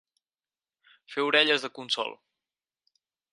Fer orelles de cònsol.